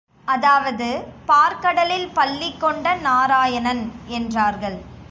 அதாவது பாற்கடலில் பள்ளி கொண்ட நாராயணன் என்றார்கள்.